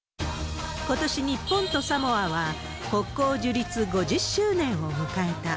ことし日本とサモアは国交樹立５０周年を迎えた。